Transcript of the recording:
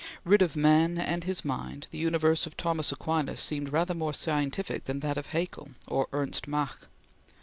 Rid of man and his mind, the universe of Thomas Aquinas seemed rather more scientific than that of Haeckel or Ernst Mach.